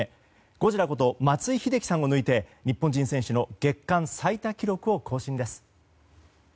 ゴジラこと松井秀喜さんを抜いて日本人選手の月間最多記録を更新です。